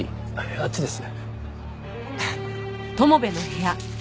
あっちです。